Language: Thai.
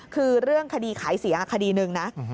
คือเรื่องคดีขายเสียงคดีหนึ่งนะ